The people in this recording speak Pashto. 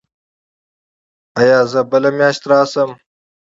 ایا زه بلې میاشتې راشم؟